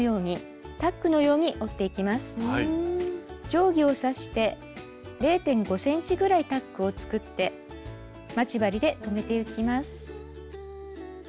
定規をさして０．５ｃｍぐらいタックを作って待ち針で留めてゆきます。